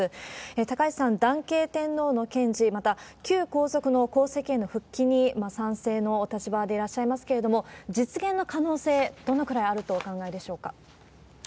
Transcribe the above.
高市さん、男系天皇のけんじ、また旧皇族の皇籍への復帰に賛成のお立場でいらっしゃいますけれども、実現の可能性どのくらいあるとお考えでしょうか？